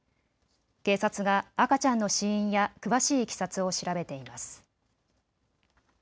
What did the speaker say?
警察が赤ちゃんの死因や詳しいいきさつを調べています。